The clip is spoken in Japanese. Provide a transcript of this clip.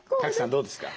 どうですか？